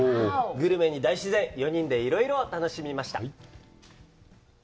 グルメに大自然、４人でいろいろ楽しみました！